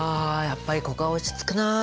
やっぱりここは落ち着くな。